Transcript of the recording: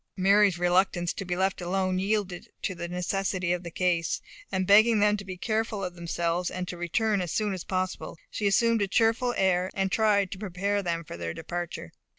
Mary's reluctance to be left alone yielded to the necessity of the case, and begging them to be careful of themselves, and to return as soon as possible, she assumed a cheerful air, and tried to prepare them for their departure.